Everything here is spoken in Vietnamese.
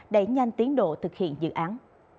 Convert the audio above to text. để nhanh tiến độ thực hiện dự án